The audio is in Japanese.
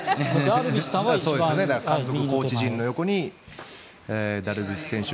コーチ陣の横にダルビッシュ選手。